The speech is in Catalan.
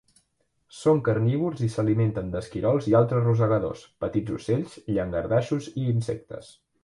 Són carnívors i s'alimenten d'esquirols i altres rosegadors, petits ocells, llangardaixos i insectes.